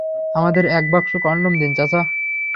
আমাদের এক বাক্স কনডম দিন, চাচা।